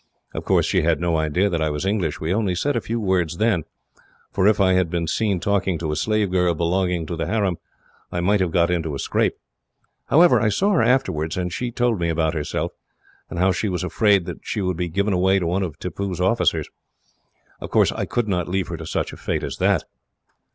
Of course, she had no idea that I was English. We only said a few words then, for if I had been seen talking to a slave girl belonging to the harem, I might have got into a scrape. However, I saw her afterwards, and she told me about herself, and how she was afraid that she would be given away to one of Tippoo's officers. Of course, I could not leave her to such a fate as that.